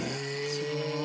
すごい。